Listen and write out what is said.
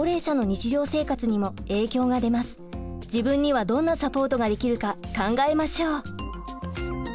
自分にはどんなサポートができるか考えましょう。